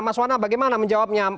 mas wana bagaimana menjawabnya